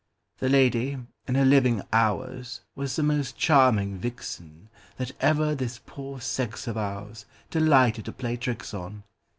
The lady, in her living hours, Was the most charming vixenThat ever this poor sex of oursDelighted to play tricks on.